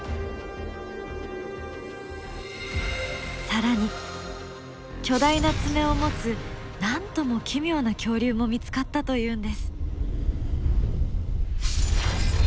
更に巨大な爪を持つなんとも奇妙な恐竜も見つかったというんです！